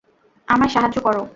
আমায় সাহায্য করো।